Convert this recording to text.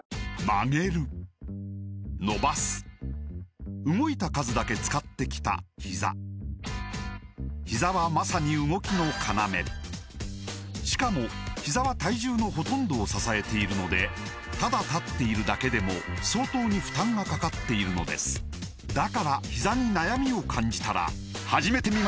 曲げる伸ばす動いた数だけ使ってきたひざひざはまさに動きの要しかもひざは体重のほとんどを支えているのでただ立っているだけでも相当に負担がかかっているのですだからひざに悩みを感じたら始めてみませんか